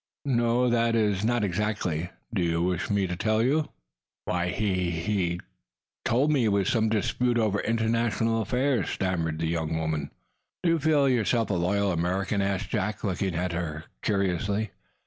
"No o o o; that is, not exactly." "Do you wish me to tell you?" "Why he he told me it was some dispute over international affairs," stammered the young woman. "Do you feel yourself a loyal American?" asked Jack, looking at her curiously.